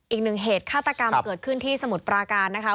อีกหนึ่งเหตุฆาตกรรมเกิดขึ้นที่สมุทรปราการนะคะ